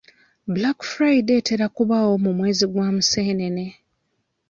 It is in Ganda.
Black Friday etera kubaawo mu mwezi gwa Museenene.